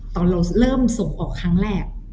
ตอนเราเริ่มส่งออกครั้งแรก